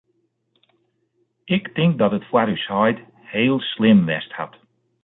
Ik tink dat dat foar ús heit heel slim west hat.